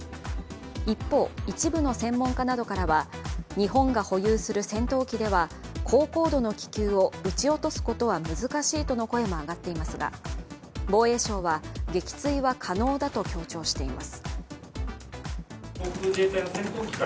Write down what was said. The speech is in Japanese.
一方、一部の専門家などからは日本が保有する戦闘機では高高度の気球を撃ち落とすことは難しいとの声も上がっていますが防衛省は撃墜は可能だと強調しています。